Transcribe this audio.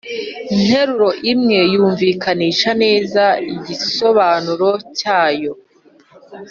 nteruro imwe yumvikanisha neza igisobanuro cyayo